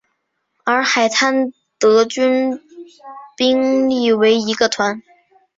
而海滩德军兵力为一个团。